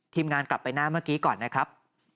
งานกลับไปหน้าเมื่อกี้ก่อนนะครับ